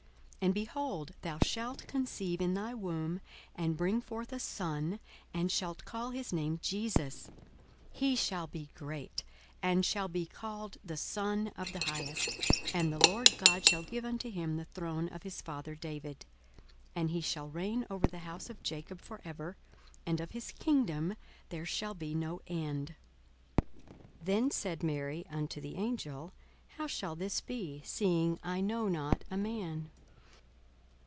42:001:031 And, behold, thou shalt conceive in thy womb, and bring forth a son, and shalt call his name JESUS. 42:001:032 He shall be great, and shall be called the Son of the Highest: and the Lord God shall give unto him the throne of his father David: 42:001:033 And he shall reign over the house of Jacob for ever; and of his kingdom there shall be no end. 42:001:034 Then said Mary unto the angel, How shall this be, seeing I know not a man?